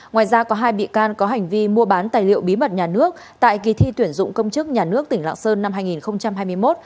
ngoài ra có hai bị can có hành vi mua bán tài liệu bí mật nhà nước tại kỳ thi tuyển dụng công chức nhà nước tỉnh lạng sơn năm hai nghìn hai mươi một